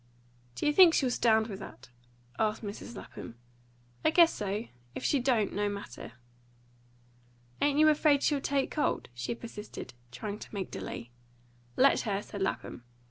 "Do you think she'll stand with that?" asked Mrs. Lapham. "I guess so. If she don't, no matter." "Ain't you afraid she'll take cold," she persisted, trying to make delay. "Let her!" said Lapham.